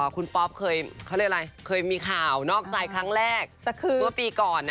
คุณป๊อปเคยเคยมีข่าวนอกใจครั้งแรกเมื่อปีก่อน